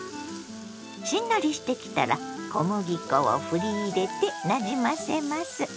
しんなりしてきたら小麦粉をふり入れてなじませます。